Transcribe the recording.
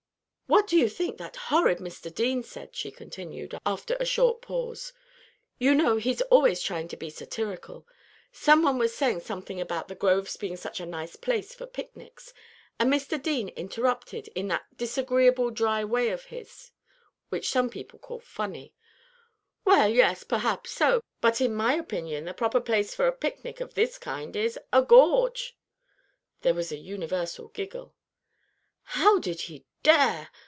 "What do you think that horrid Mr. Deane said?" she continued, after a short pause. "You know, he's always trying to be satirical. Some one was saying something about the grove's being such a nice place for picnics, and Mr. Deane interrupted, in that disagreeable dry way of his which some people call funny: 'Well, yes, perhaps so; but in my opinion the proper place for a picnic of this kind is a gorge!'" There was a universal giggle. "How did he dare?"